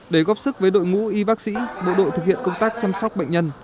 để góp sức với đội ngũ y bác sĩ bộ đội thực hiện công tác chăm sóc bệnh nhân